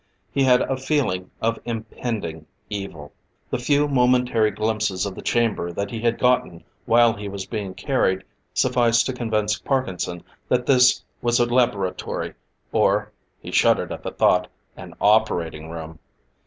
He had a feeling of impending evil. The few momentary glimpses of the chamber that he had gotten while he was being carried, sufficed to convince Parkinson that this was a laboratory, or he shuddered at the thought an operating room.